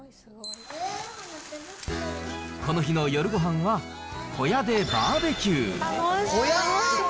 この日の夜ごはんは、小屋でバーベキュー。